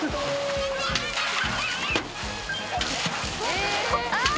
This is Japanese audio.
えっ！